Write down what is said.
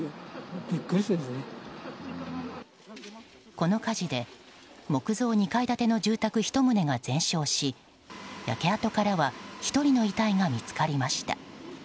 この火事で木造２階建て住宅１棟が全焼し焼け跡からは１人の遺体が見つかりました。